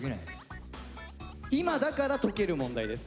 今だから解ける問題です。